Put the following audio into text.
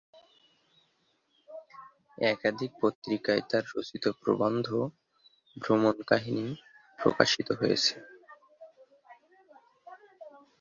একাধিক পত্রিকায় তার রচিত প্রবন্ধ, ভ্রমণকাহিনী প্রকাশিত হয়েছে।